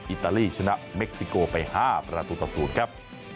อิตาลีชนะเม็กซิโกไป๕ประตูต่อ๐ครับ